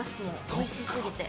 おいしすぎて。